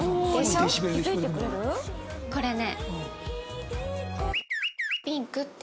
これね。